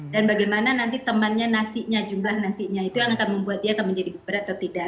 dan bagaimana nanti temannya nasinya jumlah nasinya itu yang akan membuat dia menjadi berat atau tidak